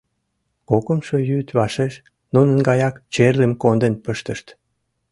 Кокымшо йӱд вашеш нунын гаяк черлым конден пыштышт.